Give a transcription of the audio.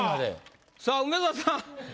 さぁ梅沢さん